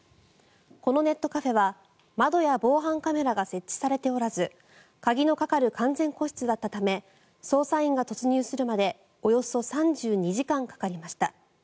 このネットカフェは窓や防犯カメラが設置されておらず鍵のかかる完全個室だったため捜査員が突入するまでおよそ３２時間かかりました。